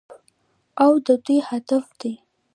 او د دوی هدف دی.